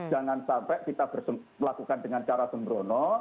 jangan sampai kita melakukan dengan cara sembrono